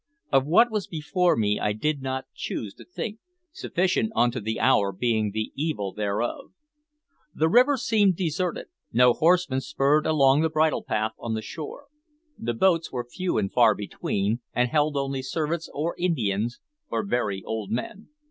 Of what was before me I did not choose to think, sufficient unto the hour being the evil thereof. The river seemed deserted: no horsemen spurred Along the bridle path on the shore; the boats were few and far between, and held only servants or Indians or very old men.